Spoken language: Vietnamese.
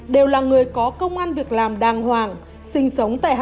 đều là người có công an việc làm đàng hoàng sinh sống tại hà nội